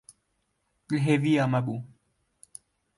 Li hêviya me bû.